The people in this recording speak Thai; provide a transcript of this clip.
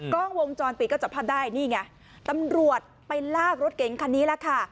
กล้องวงจรปิดก็จับภาพได้นี่ไงตำรวจไปลากรถเก๋งคันนี้แหละค่ะ